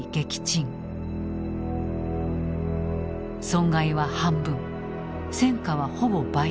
損害は半分戦果はほぼ倍。